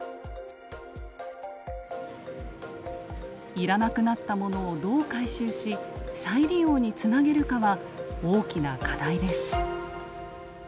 要らなくなったものをどう回収し再利用につなげるかは大きな課題です。